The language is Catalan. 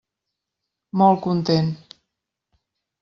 Molt content.